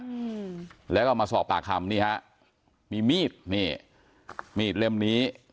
อืมแล้วก็มาสอบปากคำนี่ฮะมีมีดนี่มีดเล่มนี้